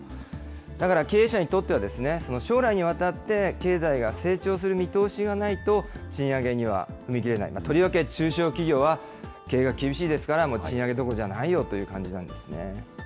だから経営者にとっては将来にわたって、経済が成長する見通しがないと、賃上げには踏み切れないと、とりわけ中小企業は経営が厳しいですから、賃上げどころじゃないよという感じなんですね。